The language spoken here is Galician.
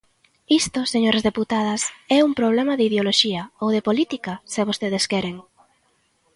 Isto, señoras deputadas, é un problema de ideoloxía, ou de política, se vostedes queren.